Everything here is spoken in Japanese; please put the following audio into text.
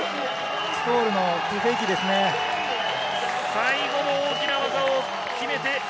最後も大きな技を決めて。